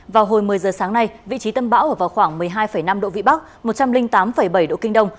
vào hồi một mươi giờ sáng nay vị trí tâm bão ở vào khoảng một mươi hai năm độ vĩ bắc một trăm linh tám bảy độ kinh đông